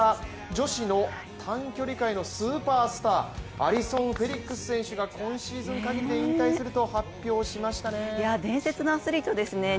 女子の短距離界のスーパースターアリソン・フェリックス選手が今シーズン限りで引退すると伝説のアスリートですね。